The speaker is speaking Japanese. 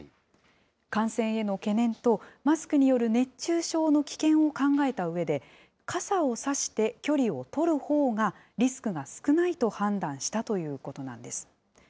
感染への懸念と、マスクによる熱中症の危険を考えたうえで、傘を差して距離を取るほうが、リスクが少ないと判断したということなんです。